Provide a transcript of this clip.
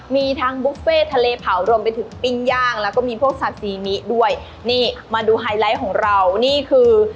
มีทั้งบุฟเฟ่ทะเลเผารวมไปถึงปิ้งย่างแล้วก็มีพวกซาซีมิด้วยนี่มาดูไฮไลท์ของเรานี่คือ